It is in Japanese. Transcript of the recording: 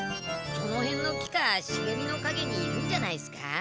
そのへんの木かしげみのかげにいるんじゃないですか？